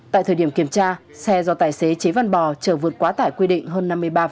tại thời điểm kiểm tra xe do tài xế chế văn bò trở vượt quá tải quy định hơn năm mươi ba